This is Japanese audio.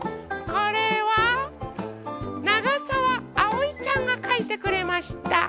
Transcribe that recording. これはながさわあおいちゃんがかいてくれました。